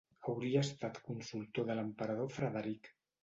Hauria estat consultor de l'Emperador Frederic.